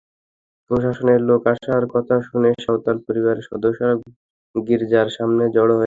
প্রশাসনের লোক আসার কথা শুনে সাঁওতাল পরিবারের সদস্যরা গির্জার সামনে জড়ো হয়েছে।